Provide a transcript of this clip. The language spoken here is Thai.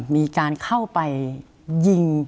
มีการเข้าไปยิง